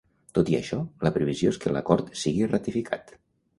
Tot i això, la previsió és que l’acord sigui ratificat.